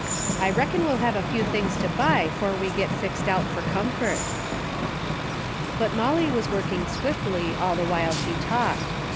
I reckon Ave'll have a feAV things to buy 'fore Ave get fixed out for comfort." But Molly Avaa Avorking swiftly all the Avhile she talked.